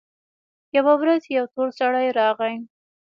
يوه ورځ يو تور سړى راغى.